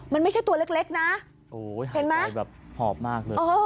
มันไม่ใช่ตัวเล็กนะเห็นไหมแบบหอบมากเลย